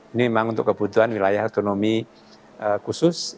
ini memang untuk kebutuhan wilayah otonomi khusus